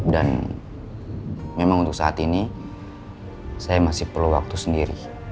memang untuk saat ini saya masih perlu waktu sendiri